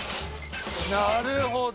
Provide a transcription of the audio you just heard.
なるほど。